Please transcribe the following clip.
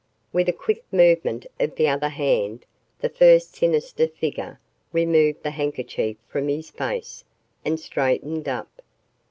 With a quick movement of the other hand, the first sinister figure removed the handkerchief from his face and straightened up.